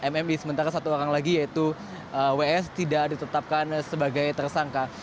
mmi sementara satu orang lagi yaitu ws tidak ditetapkan sebagai tersangka